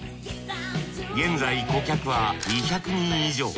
現在顧客は２００人以上。